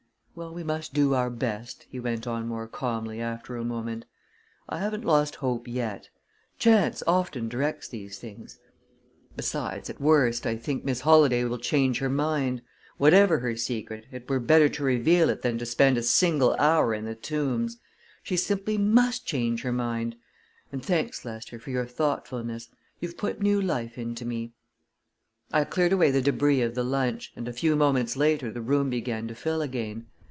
"Well, we must do our best," he went on more calmly, after a moment. "I haven't lost hope yet chance often directs these things. Besides, at worst, I think Miss Holladay will change her mind. Whatever her secret, it were better to reveal it than to spend a single hour in the Tombs. She simply must change her mind! And thanks, Lester, for your thoughtfulness. You've put new life into me." I cleared away the débris of the lunch, and a few moments later the room began to fill again.